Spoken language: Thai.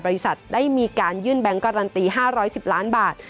บริษัทได้มีการยื่นแบงค์การันตี๕๑๐ล้านบาท